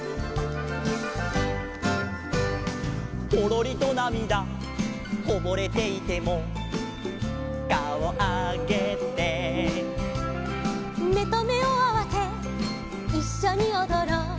「ポロリとなみだこぼれていてもかおあげて」「目と目をあわせいっしょにおどろう」